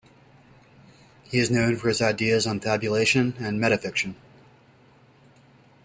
He is known for his ideas on fabulation and metafiction.